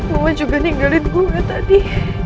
mau juga ninggalin gue tadi